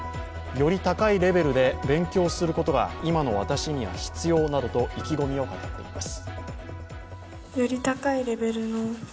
より高いレベルで勉強することが今の私には必要などと意気込みを語ります。